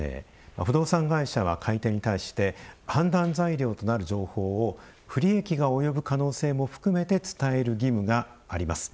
不動産会社は買い手に対して判断材料となる情報を不利益が及ぶ可能性も含めて伝える義務があります。